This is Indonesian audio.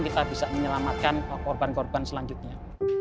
kita bisa menyelamatkan korban korban selanjutnya